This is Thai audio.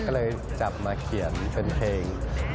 ก็เลยจับมาเขียนเป็นเพลง